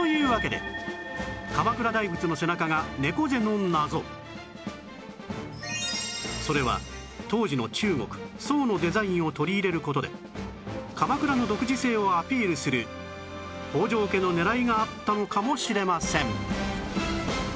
というわけでそれは当時の中国宋のデザインを取り入れる事で鎌倉の独自性をアピールする北条家の狙いがあったのかもしれません